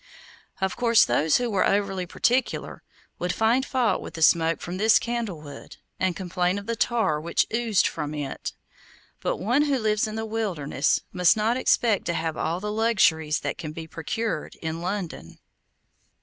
Of course, those who were overly particular, would find fault with the smoke from this candle wood, and complain of the tar which oozed from it; but one who lives in the wilderness must not expect to have all the luxuries that can be procured in London.